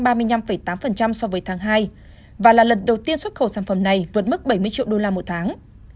hàn quốc tăng ba tám so với tháng hai và là lần đầu tiên xuất khẩu sản phẩm này vượt mức bảy mươi triệu đô la một tháng